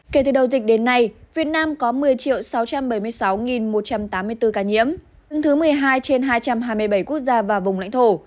kể từ đầu dịch đến nay việt nam có một mươi sáu trăm bảy mươi sáu một trăm tám mươi bốn ca nhiễm đứng thứ một mươi hai trên hai trăm hai mươi bảy quốc gia và vùng lãnh thổ